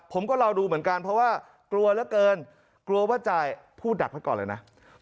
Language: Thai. ผมก็รอดูเหมือนกันเพราะว่ากลัวเหลือเกินกลัวว่าจ่ายพูดดักไว้ก่อนเลยนะ